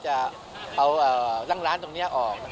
จะเอาตั้งร้านตรงนี้ออก